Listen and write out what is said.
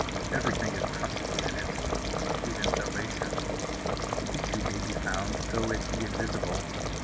Everything is possible in it, even salvation. The issue may be found, though it be invisible.